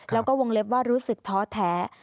แล้วก็วงเล็บว่ารู้สึกท้อแท้